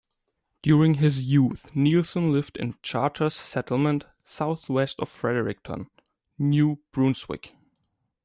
During his youth, Neilson lived in Charters Settlement, southwest of Fredericton, New Brunswick.